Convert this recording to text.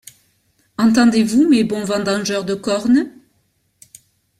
Entendez-vous, mes bons vendengeurs de cornes?